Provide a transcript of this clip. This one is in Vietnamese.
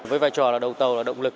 với vai trò là đầu tàu là động lực